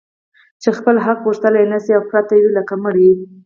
چي خپل حق غوښتلای نه سي او پراته وي لکه مړي